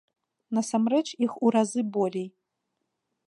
Насамрэч іх у разы болей.